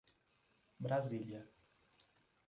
Brasília